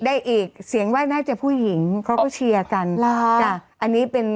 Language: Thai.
ได้อีกเสียงว่ายน่าจะผู้หญิงเขาก็เชียร์กันเหรอจ้ะอันนี้เป็น